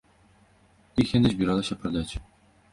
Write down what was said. Іх яна збіралася прадаць.